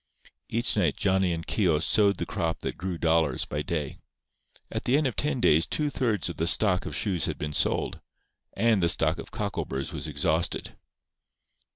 Each night Johnny and Keogh sowed the crop that grew dollars by day. At the end of ten days two thirds of the stock of shoes had been sold; and the stock of cockleburrs was exhausted.